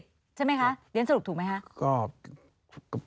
ใช่ไหมคะเรียนสรุปถูกไหมคะ